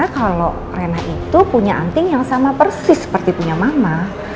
karena kalau rena itu punya anting yang sama persis seperti punya mama